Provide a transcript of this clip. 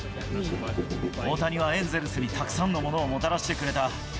大谷はエンゼルスにたくさんのものをもたらしてくれた。